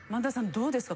どうですか？